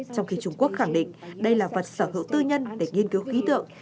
trong khi trung quốc khẳng định đây là vật sở hữu tư nhân để nghiên cứu khí tượng